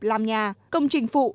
làm nhà công trình phụ